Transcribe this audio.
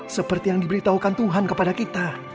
seperti yang diberitahukan tuhan kepada kita